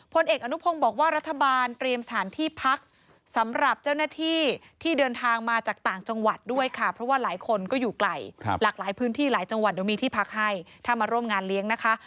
เอกอนุพงศ์บอกว่ารัฐบาลเตรียมสถานที่พักสำหรับเจ้าหน้าที่ที่เดินทางมาจากต่างจังหวัดด้วยค่ะเพราะว่าหลายคนก็อยู่ไกลหลากหลายพื้นที่หลายจังหวัดเดี๋ยวมีที่พักให้ถ้ามาร่วมงานเลี้ยงนะคะ